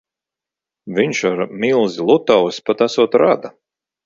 Viņš ar milzi Lutausi pat esot rada.